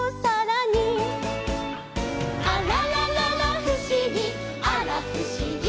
「あららららふしぎあらふしぎ」